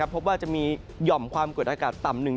พบว่าจะมีหย่อมความกดอากาศต่ำหนึ่ง